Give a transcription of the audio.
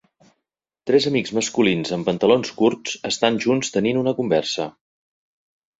Tres amics masculins en pantalons curts estan junts tenint una conversa